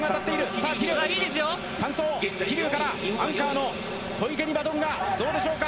さあ、桐生が３走桐生からアンカーの小池にバトンがどうでしょうか。